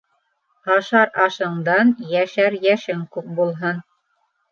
Ашар ашыңдан йәшәр йәшең күп булһын.